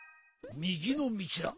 みぎのみちだ！